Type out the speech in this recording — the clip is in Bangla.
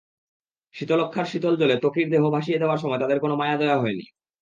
শীতলক্ষ্যার শীতল জলে ত্বকীর দেহ ভাসিয়ে দেওয়ার সময় তাদের কোনো মায়া-দয়া হয়নি।